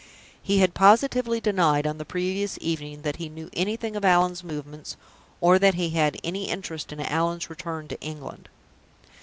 He had positively denied on the previous evening that he knew anything of Allan's movements, or that he had any interest in Allan's return to England.